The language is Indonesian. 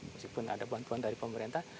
meskipun ada bantuan dari pemerintah